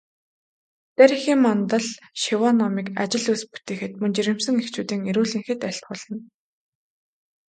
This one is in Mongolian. Дарь эхийн мандал шиваа номыг ажил үйлс бүтээхэд, мөн жирэмсэн эхчүүдийн эрүүл энхэд айлтгуулна.